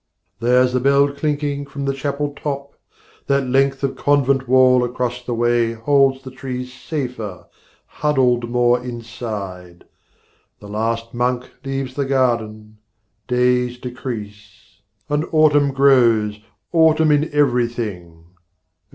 There's the bell clinking from the chapel top; That length of convent wall across the way Holds the trees safer, huddled more inside; The last monk leaves the garden; days decrease, And autumn grows, autumn in everything.